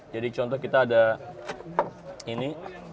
jadi contoh kita ada ini